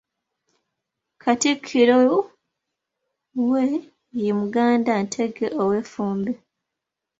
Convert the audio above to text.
Katikkiro we ye Magunda Ntege ow'Effumbe.